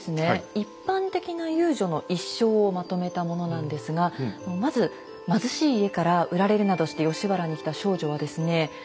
一般的な遊女の一生をまとめたものなんですがまず貧しい家から売られるなどして吉原に来た少女はですね